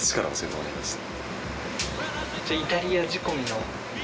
じゃイタリア仕込みの。